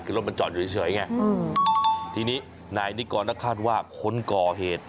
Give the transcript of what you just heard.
คือมันจอดอยู่เฉยทีนี้ไหนนิกอร์นนากคาดว่าคนก่อเหตุ